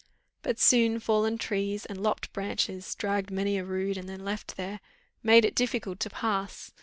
But soon, fallen trees, and lopped branches, dragged many a rood and then left there, made it difficult to pass.